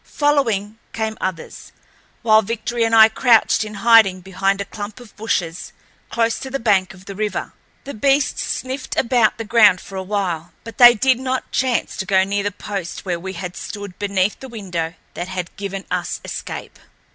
Following, came others, while Victory and I crouched in hiding behind a clump of bushes close to the bank of the river. The beasts sniffed about the ground for a while, but they did not chance to go near the spot where we had stood beneath the window that had given us escape.